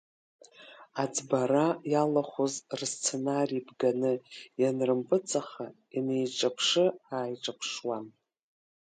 Аӡбара иалахәыз, рсценари бганы ианрымпыҵаха, инеиҿаԥшы-ааиҿаԥшуан.